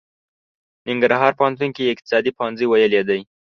ننګرهار پوهنتون کې يې اقتصاد پوهنځی ويلی دی.